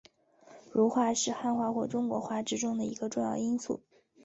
儒化是汉化或中国化之中的一个重要因素。